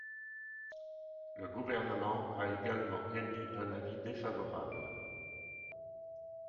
Le Gouvernement a également émis un avis défavorable.